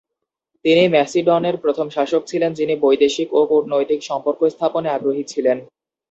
তিনি ম্যাসিডনের প্রথম শাসক ছিলেন, যিনি বৈদেশিক ও কূটনৈতিক সম্পর্ক স্থাপনে আগ্রহী ছিলেন।